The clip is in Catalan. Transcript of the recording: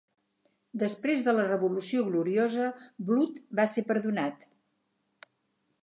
Després de la Revolució Gloriosa, Blood va ser perdonat.